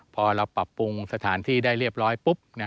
พอเราปรับปรุงสถานที่ได้เรียบร้อยปุ๊บ